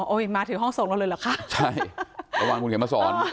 มาถึงห้องส่งเราเลยเหรอคะใช่ระวังคุณเขียนมาสอน